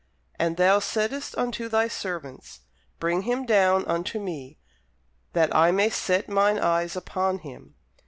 And thou saidst unto thy servants, Bring him down unto me, that I may set mine eyes upon him.